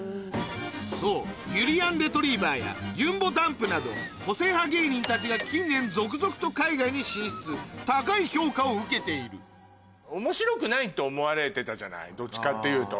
そうゆりやんレトリィバァやゆんぼだんぷなど個性派芸人たちが近年続々と海外に進出高い評価を受けているじゃないどっちかっていうと。